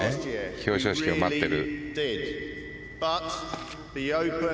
表彰式を待っている。